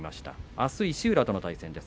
あすは石浦との対戦です